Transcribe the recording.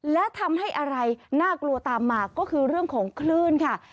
และทำให้อะไรน่ากลัวตามมาก็คือเรื่องของคลื่นค่ะ